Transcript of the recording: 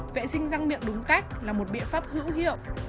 vệ sinh răng miệng đúng cách là một biện pháp hữu hiệu